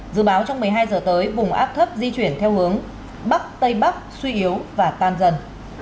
dự báo trong một mươi hai giờ tới vùng áp thấp di chuyển theo hướng bắc tây bắc suy yếu và tan dần